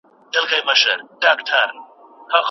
پوهان خپل معلومات له نورو خلکو سره شریکوي.